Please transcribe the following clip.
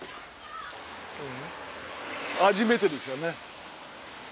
初めてですよね。